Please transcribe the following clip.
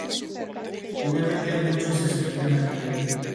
Finalmente muchos se sometían al líder.